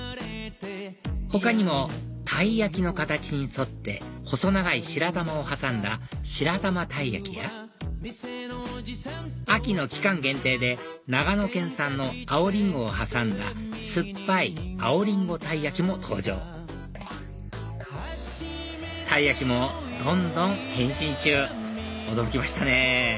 他にもたい焼きの形に沿って細長い白玉を挟んだ白玉たいやきや秋の期間限定で長野県産の青リンゴを挟んだすっぱい青りんごたいやきも登場たい焼きもどんどん変身中驚きましたね